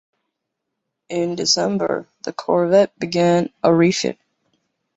In December, the corvette began a refit.